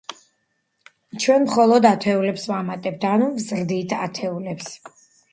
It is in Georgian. ჩვენ მხოლოდ ათეულებს ვამატებთ, ანუ ვზრდით ათეულებს.